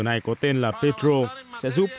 này có tên là petro sẽ giúp